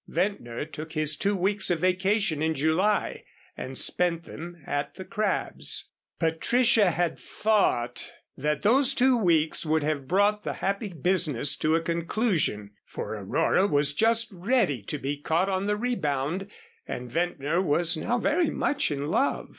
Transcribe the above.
Ventnor took his two weeks of vacation in July and spent them at the Crabbs'. Patricia had thought that those two weeks would have brought the happy business to a conclusion for Aurora was just ready to be caught on the rebound, and Ventnor was now very much in love.